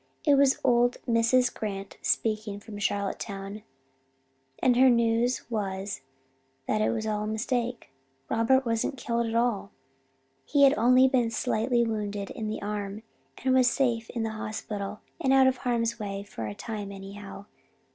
It was old Mrs. Grant speaking from Charlottetown, and her news was that it was all a mistake Robert wasn't killed at all; he had only been slightly wounded in the arm and was safe in the hospital out of harm's way for a time anyhow.